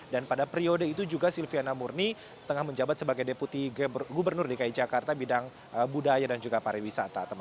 dan pada periode itu juga silviana murni tengah menjabat sebagai deputi gubernur dki jakarta bidang budaya dan juga pariwisata temen temen